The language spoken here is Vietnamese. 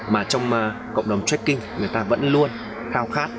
mà trong cộng đồng tracking người ta vẫn luôn khao khát